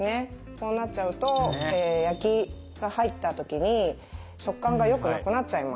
こうなっちゃうと焼きが入った時に食感がよくなくなっちゃいます。